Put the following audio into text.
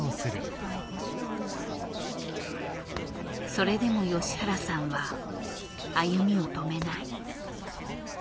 それでも吉原さんは歩みを止めない。